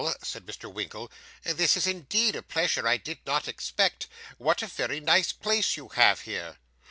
said Mr. Winkle. 'This is indeed a pleasure I did not expect. What a very nice place you have here!